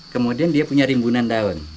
kemudian dia punya rimbunan daun